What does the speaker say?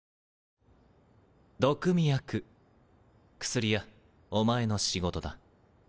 毒見役薬屋お前の仕事だ。